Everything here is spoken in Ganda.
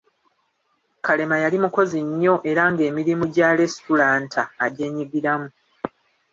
Kalema yali mukozi nnyo era ng'emirimu gya lesitulanta agyenyigiramu.